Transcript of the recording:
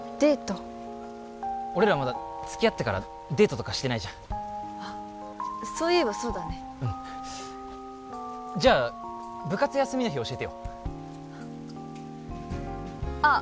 俺らまだ付き合ってからデートとかしてないじゃんあっそういえばそうだねうんじゃあ部活休みの日教えてよあっ